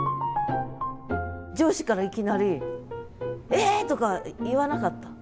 上司からいきなり「え！」とか言わなかった？